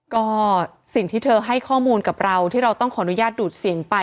ก็สิ่งที่เธอให้ข้อมูลกับเราที่เราต้องขออนุญาตดูดเสียงไป